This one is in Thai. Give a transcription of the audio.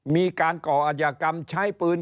มีการก่ออาจยากรรมใช้ปืน